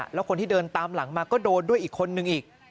แล้วคนที่เดินตามหลังมาก็โดนด้วยอีกคนนึงอีก